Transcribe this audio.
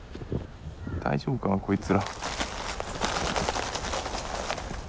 大丈夫かなこいつら。